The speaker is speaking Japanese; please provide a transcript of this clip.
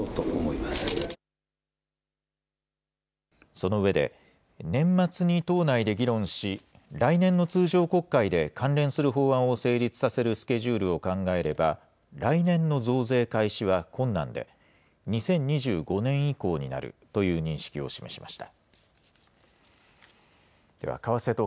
その上で、年末に党内で議論し、来年の通常国会で関連する法案を成立させるスケジュールを考えれば、来年の増税開始は困難で、２０２５年以降になるという認識を示しました。